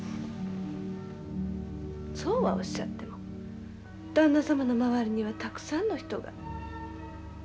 そうはおっしゃってもだんな様の周りにはたくさんの人が。